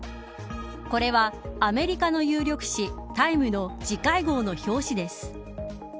これはアメリカの有力誌タイムの次回号の表紙です。